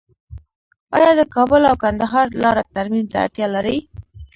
آیا د کابل او کندهار لاره ترمیم ته اړتیا لري؟